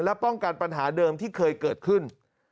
และป้องกันปัญหาเดิมที่เคยเกิดขึ้น